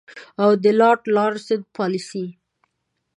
او د لارډ لارنس پالیسي.